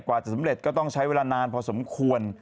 กว่าจะสำเร็จก็ต้องใช้เวลานานพอสมควร